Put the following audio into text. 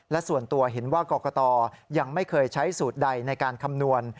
และส่วนตัวเห็นว่ากรกตยังไม่เคยใช้สูตรใดในการคำนวณ